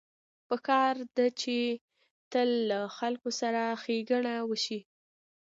پکار ده چې تل له خلکو سره ښېګڼه وشي